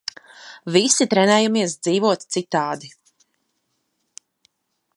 Visi trenējamies dzīvot citādi.